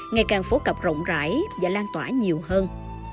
ngày càng phổ cập rộng rãi và lan tỏa nhiều hơn